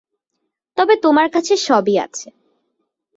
তবে তোমার কাছে সবই আছে।